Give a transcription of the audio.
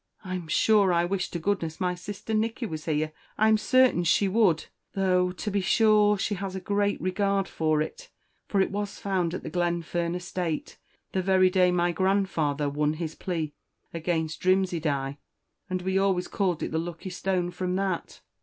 "I'm sure I wish to goodness my sister Nicky was here I'm certain she would though, to be sure, she has a great regard for it; for it was found on the Glenfern estate the very day my grandfather won his plea against Drimsydie; and we always called it the lucky stone from that."